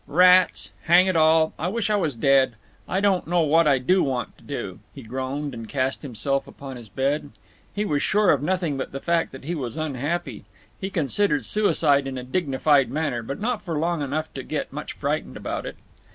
"Rats! Hang it all! I wish I was dead. I don't know what I do want to do," he groaned, and cast himself upon his bed. He was sure of nothing but the fact that he was unhappy. He considered suicide in a dignified manner, but not for long enough to get much frightened about it.